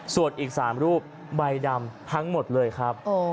ส่วนอีก๓รูปใบดำทั้งหมดเลยครับ